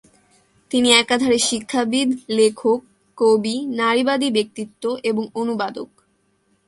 তিনি একাধারে শিক্ষাবিদ, লেখক, কবি, নারীবাদী ব্যক্তিত্ব এবং অনুবাদক।